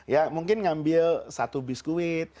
ya mungkin ngambil satu biskuit